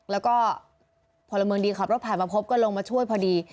แล้วก็พลเมืองดีขับรถผ่านมาพบก็ลงมาช่วยพอดี